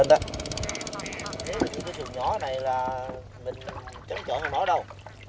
những cái rừng nhỏ này là mình chẳng chọn nó đâu